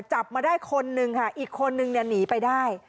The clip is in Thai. จับมาได้คนนึงค่ะอีกคนนึงเนี่ยหนีไปได้